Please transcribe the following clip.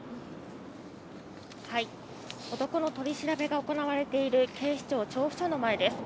男の取り調べが行われている警視庁調布署の前です。